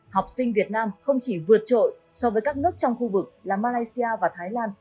học sinh việt nam không chỉ vượt trội so với các nước trong khu vực là malaysia và thái lan